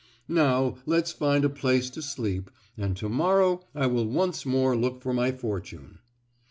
Now let's find a place to sleep, and to morrow I will once more look for my fortune."